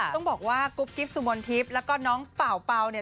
ต้องบอกว่ากุ๊บกิ๊บสุมนทิพย์แล้วก็น้องเป่าเป่าเนี่ย